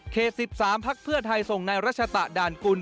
เขต๑๓พักเพื่อไทยทรงนายรัชตะดานกุล